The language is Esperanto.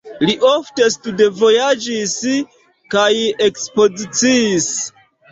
Li ofte studvojaĝis kaj ekspoziciis.